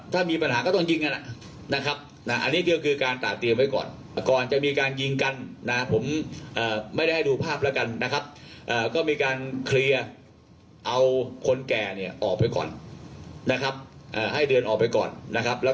คือเราเห็นเนื้อเรื่องทั้งหมดนะครับเราก็ในคณะทำงานเนี่ยเราเชื่อว่า